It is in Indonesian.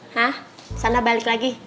hah sana balik lagi